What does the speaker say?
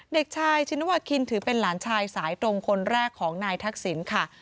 เด็กชายชินวาคินถือเป็นหลานชายสายตรงคนแรกของนายทักษิณค่ะ